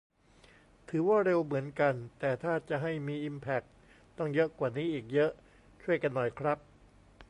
ถือว่า เร็วเหมือนกัน แต่ถ้าจะให้มีอิมแพคต้องเยอะกว่านี้อีกเยอะ ช่วยกันหน่อยครับ